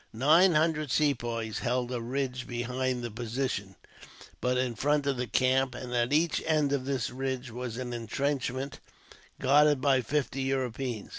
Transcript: Nine hundred Sepoys held a ridge behind the position, but in front of the camp, and at each end of this ridge was an intrenchment, guarded by fifty Europeans.